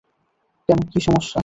কেন কী সমস্যা?